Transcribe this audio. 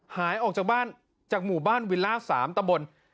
หายออกจากบ้านจากหมู่บ้านวิลล่า๓ตะบน